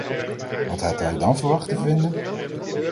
Wat had hij dan verwacht te vinden?